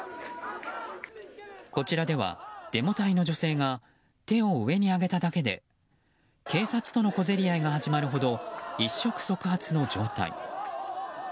こちらでは、デモ隊の女性が手を上に上げただけで警察との小競り合いが始まるほど一触触発の状態。